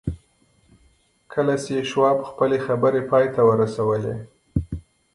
کله چې شواب خپلې خبرې پای ته ورسولې